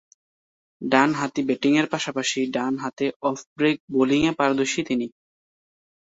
ডানহাতি ব্যাটিংয়ের পাশাপাশি, ডানহাতে অফ ব্রেক বোলিংয়ে পারদর্শী তিনি।